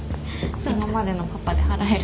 今までのパパで払える。